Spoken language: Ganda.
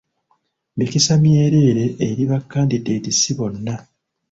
Mikisa myereere eri ba kandidetisi bonna.